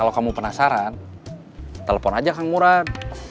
kalau kamu penasaran telepon aja kang murad